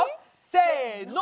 せの！